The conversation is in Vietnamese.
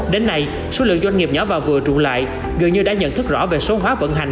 đến nay số lượng doanh nghiệp nhỏ và vừa trụ lại gần như đã nhận thức rõ về số hóa vận hành